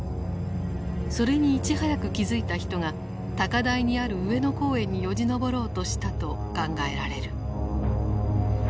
それにいち早く気付いた人が高台にある上野公園によじ登ろうとしたと考えられる。